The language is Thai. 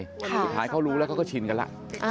สุดท้ายเขารู้แล้วเขาก็ชินกันแล้ว